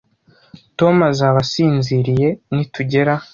Tom azaba asinziriye nitugera